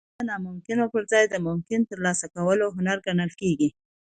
دا د ناممکن پرځای د ممکنه ترلاسه کولو هنر ګڼل کیږي